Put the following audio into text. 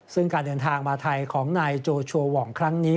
ซึ่งการเดินทางมาไทยของนายโจโชวองครั้งนี้